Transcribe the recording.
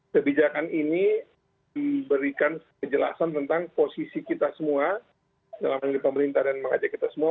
kebijakan ini diberikan kejelasan tentang posisi kita semua dalam hal ini pemerintah dan mengajak kita semua